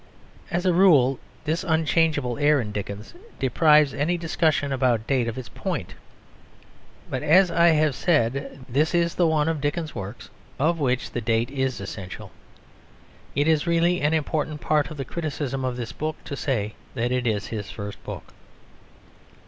As a rule this unchangeable air in Dickens deprives any discussion about date of its point. But as I have said, this is the one Dickens work of which the date is essential. It is really an important part of the criticism of this book to say that it is his first book.